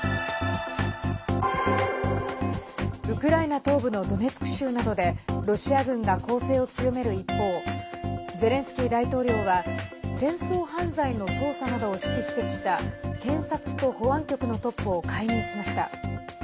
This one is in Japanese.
ウクライナ東部のドネツク州などでロシア軍が攻勢を強める一方ゼレンスキー大統領は戦争犯罪の捜査などを指揮してきた検察と保安局のトップを解任しました。